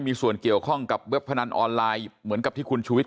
มีส่วนเกี่ยวข้องกับเว็บพนันออนไลน์เหมือนกับที่คุณชูวิท